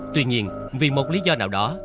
tuy nhiên vì một lý do nào đó